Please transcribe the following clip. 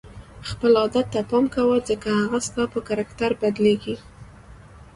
خپل عادت ته پام کوه ځکه هغه ستا په کرکټر بدلیږي.